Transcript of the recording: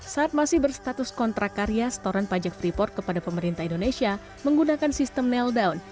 saat masih berstatus kontrak karya setoran pajak freeport kepada pemerintah indonesia menggunakan sistem nail down